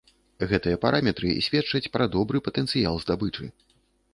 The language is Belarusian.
Гэтыя параметры сведчаць пра добры патэнцыял здабычы.